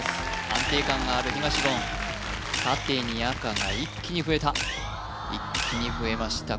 安定感がある東言縦に赤が一気に増えた一気に増えました